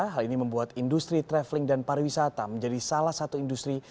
hal ini membuat industri traveling dan pariwisata menjadi salah satu industri